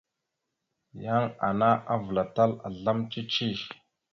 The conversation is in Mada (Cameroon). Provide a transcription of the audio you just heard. Yan ana avəlatal azlam cici.